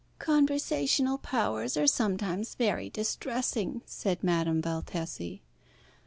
"Conversational powers are sometimes very distressing," said Madame Valtesi.